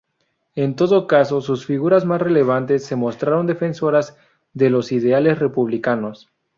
En todo caso, sus figuras más relevantes se mostraron defensoras de los ideales republicanos.